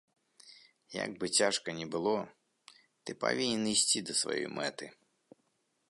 Як бы цяжка не было, ты павінен ісці да сваёй мэты.